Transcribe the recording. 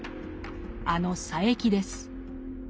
あの佐柄木です。